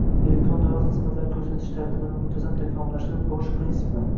Elektron davlat xizmatlari ko‘rsatish tartibini muntazam takomillashtirib borish prinsipi